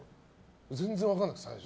全然分からなくて、最初。